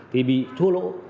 thì bị thua lỗ